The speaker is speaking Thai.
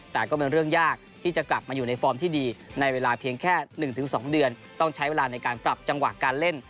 แต่ก็เป็นเรื่องยากที่จะกลับมาอยู่ในฟอร์มที่ดีในเวลาเพียงแค่๑๒เดือนต้องใช้เวลาในการปรับจังหวะการเล่น